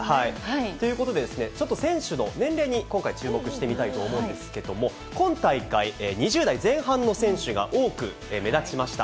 ということで、ちょっと選手の年齢に今回、注目してみたいと思うんですけれども、今大会、２０代前半の選手が多く、目立ちました。